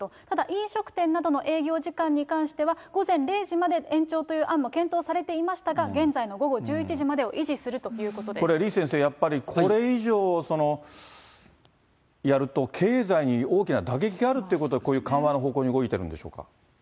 ただ飲食店などの営業時間に関しては、午前０時まで延長という案も検討されていましたが、現在の午後１１時までを維持するというこれ、李先生、やっぱりこれ以上やると、経済に大きな打撃があるっていうことで、こういう緩和の方向に動いてるんでしょうか？